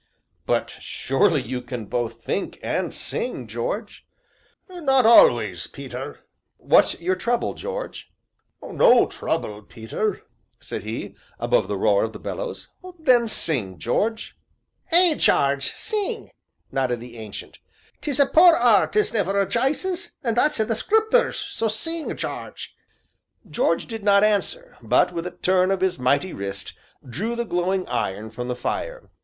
"But surely you can both think and sing, George?" "Not always, Peter." "What's your trouble, George?" "No trouble, Peter," said he, above the roar of the bellows. "Then sing, George." "Ay, Jarge, sing," nodded the Ancient; "'tis a poor 'eart as never rejices, an' that's in the Scripters so sing, Jarge." George did not answer, but, with a turn of his mighty wrist, drew the glowing iron from the fire.